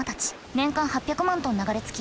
年間８００万トン流れ着き